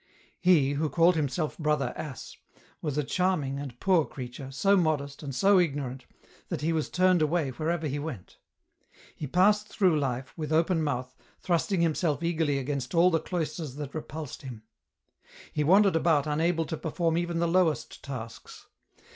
He, who called himself brother Ass, was a charming and poor creature, so modest, and so ignorant, that he was turned away wherever he went. He passed through life, with open mouth, thrusting himselt eagerly against all the cloisters that repulsed him. He wandered about unable to perform even the lowest tasks.